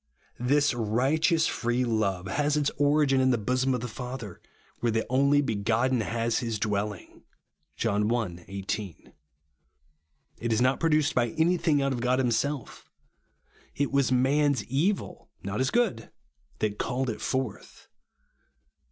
This righteous free love has its origin in 50 RIGHTEOUS GRACE. the bosom of tlie Father, where the only begotten ha? his dwelhng (John i. 18). It is not produced by anything out of God himself. It was man's evil, not his good, that called it forth.